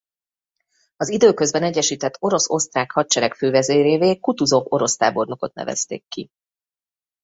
Az időközben egyesített orosz–osztrák hadsereg fővezérévé Kutuzov orosz tábornokot nevezték ki.